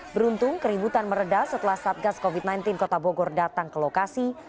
beruntung keributan meredah setelah satgas covid sembilan belas kota bogor datang ke lokasi